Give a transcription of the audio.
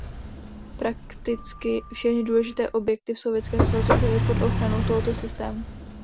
Prakticky všechny důležité objekty v Sovětském svazu byly pod ochranou tohoto systému.